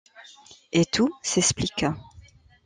Et tout s'explique...